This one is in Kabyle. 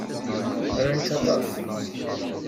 Ran-k aṭas.